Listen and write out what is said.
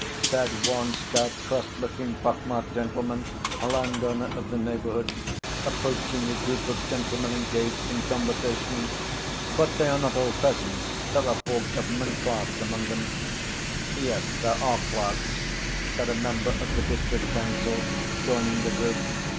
said one stout, cross‐looking, pock‐ marked gentleman, a landowner of the neighborhood, approaching a group of gentlemen engaged in conversation. "But they are not all peasants. There are four government clerks among them." "Yes, there are clerks," said a member of the district council, joining the group.